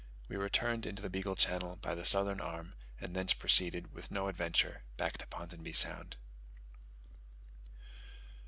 We returned into the Beagle Channel by the southern arm, and thence proceeded, with no adventure, back to Ponsonby Sound.